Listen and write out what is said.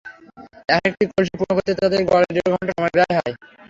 একেকটি কলসি পূর্ণ করতে তাঁদের গড়ে দেড় ঘণ্টা সময় ব্যয় হয়।